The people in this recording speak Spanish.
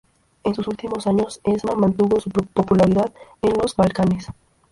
En sus últimos años, Esma mantuvo su popularidad en los Balcanes.